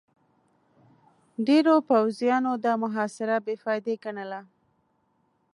ډېرو پوځيانو دا محاصره بې فايدې ګڼله.